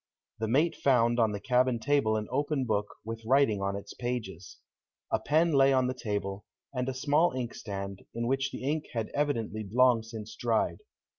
The mate found on the cabin table an open book, with writing on its pages. A pen lay on the table, and a small inkstand, in which the ink had evidently long since dried.